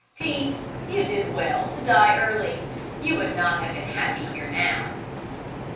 Pete, you did well to die early. You would not have been happy here now.